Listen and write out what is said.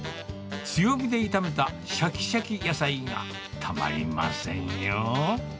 強火で炒めたしゃきしゃき野菜がたまりませんよ。